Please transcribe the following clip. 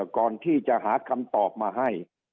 ก่อนที่จะหาคำตอบมาให้